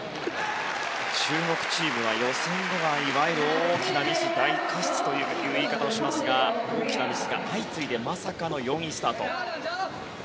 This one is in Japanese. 中国チームは予選ではいわゆる大きなミス大過失という言い方をしますが大きなミスが相次いでまさかの４位スタート。